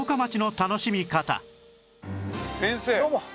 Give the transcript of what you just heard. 先生